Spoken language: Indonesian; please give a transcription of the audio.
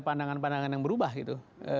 pandangan pandangan yang berubah gitu